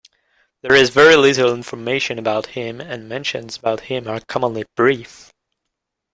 There is very little information about him and mentions about him are commonly brief.